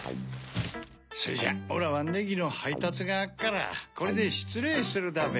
それじゃオラはネギのはいたつがあっからこれでしつれいするだべ。